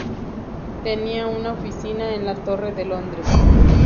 Tenía una oficina en la Torre de Londres.